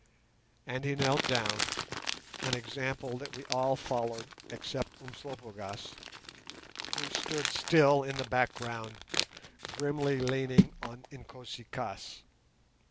And he knelt down, an example that we all followed except Umslopogaas, who still stood in the background, grimly leaning on Inkosi kaas.